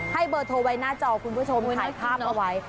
เบอร์โทรไว้หน้าจอคุณผู้ชมถ่ายภาพเอาไว้